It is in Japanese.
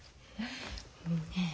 ねえ。